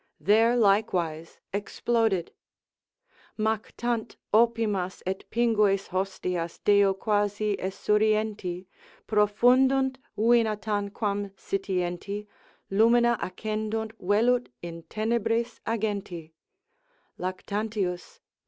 there likewise exploded, Mactant opimas et pingues hostias deo quasi esurienti, profundunt vina tanquam sitienti, lumina accendunt velut in tenebris agenti (Lactantius, lib.